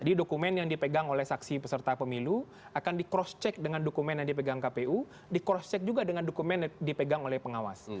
jadi dokumen yang dipegang oleh saksi peserta pemilu akan di cross check dengan dokumen yang dipegang kpu di cross check juga dengan dokumen yang dipegang oleh pengawas